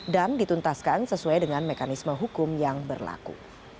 dan dituntaskan sesuai dengan mekanisme hukum yang berlaku